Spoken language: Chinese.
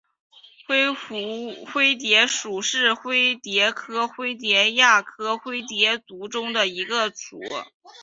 灰蝶属是灰蝶科灰蝶亚科灰蝶族中的一个属。